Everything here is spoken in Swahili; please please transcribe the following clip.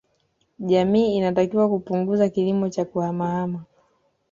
Jamii inatakiwa kupunguza kilimo cha kuhamahama